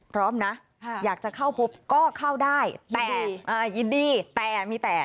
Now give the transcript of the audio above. พร้อมนะอยากจะเข้าพบก็เข้าได้แต่ยินดีแต่มีแต่